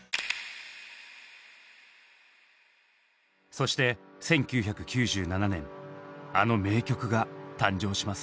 そして１９９７年あの名曲が誕生します。